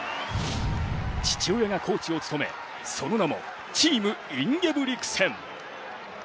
父親がコーチを務め、その名もチームインゲブリクセン。